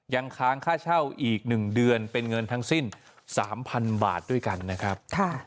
ยังค้างค่าเช่าอีก๑เดือนเป็นเงินทั้งสิ้น๓๐๐๐บาทด้วยกันนะครับ